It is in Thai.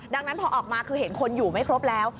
ดังนั้นพอออกมาคือเห็นคนอยู่ไม่ครบแล้ว